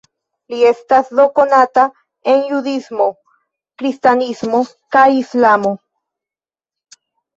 Li estas do konata en judismo, kristanismo kaj islamo.